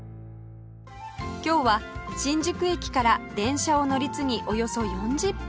今日は新宿駅から電車を乗り継ぎおよそ４０分